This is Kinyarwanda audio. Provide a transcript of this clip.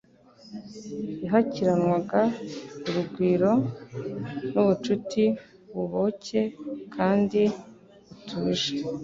Yahakiranwaga urugwiro n'ubucuti buboncye kandi butuje,